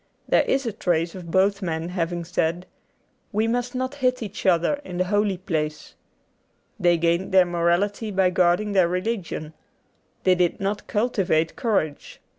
There is a trace of both men having said, 'We must not hit each other in the holy place.' They gained their morality by guarding their religion. They did not cultivate courage.